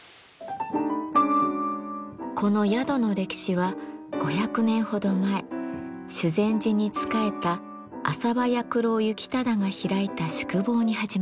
この宿の歴史は５００年ほど前修禅寺に仕えた浅羽弥九郎幸忠が開いた宿坊に始まります。